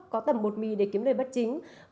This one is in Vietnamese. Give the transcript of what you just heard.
có tầm một mì để kiếm lời bắt chính